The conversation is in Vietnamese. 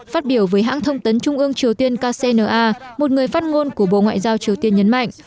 phát biểu với hãng thông tấn trung ương triều tiên kcna một người phát ngôn của bộ ngoại giao triều tiên nhấn mạnh